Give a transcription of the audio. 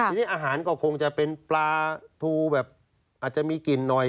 ทีนี้อาหารก็คงจะเป็นปลาทูแบบอาจจะมีกลิ่นหน่อย